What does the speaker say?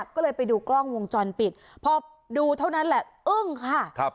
ก็เลยไปดูกล้องวงจรปิดพอดูเท่านั้นแหละอึ้งค่ะ